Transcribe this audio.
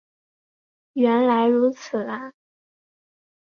原来如此啊